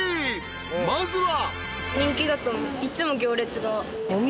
まずは］